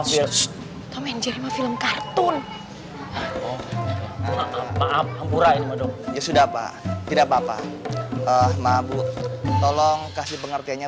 fiat mencermin film kartun empurahin ya sudah pak tidak papa ah mabuk tolong kasih pengertiannya